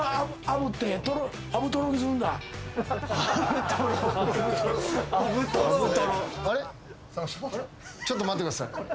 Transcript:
あぶトロ⁉ちょっと待ってください。